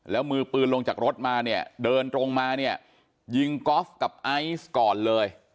แล้วมือปืนลงจากรถมาเนี่ยเดินตรงมาเนี่ยยิงกอล์ฟกับไอซ์ก่อนเลย